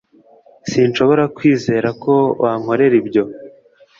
Sinshobora kwizera ko wankorera ibyo